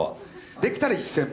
できたら１，０００万